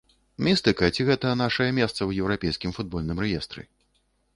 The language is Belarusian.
Містыка ці гэта нашае месца ў еўрапейскім футбольным рэестры?